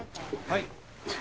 はい。